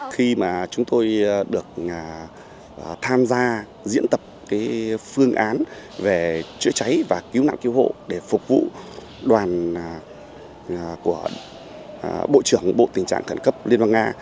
khi mà chúng tôi được tham gia diễn tập phương án về chữa cháy và cứu nạn cứu hộ để phục vụ đoàn của bộ trưởng bộ tình trạng khẩn cấp liên bang nga